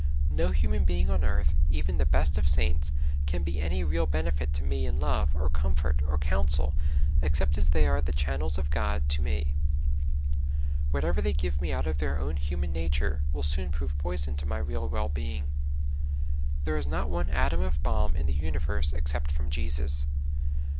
No human being on earth, even the best of saints, can be any real benefit to me in love or comfort or counsel, except as the}^ are the channels of God to me ; whatever they give me out of their own human nature will soon prove poison to my real well being. There is not one atom of balm in the universe except from Jesus.